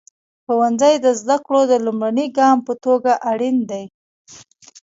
ښوونځی د زده کړو د لومړني ګام په توګه اړین دی.